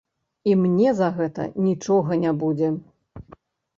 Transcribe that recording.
І мне за гэта нічога не будзе!